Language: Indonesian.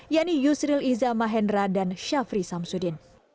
yaitu yusril iza mahendra dan syafri samsudin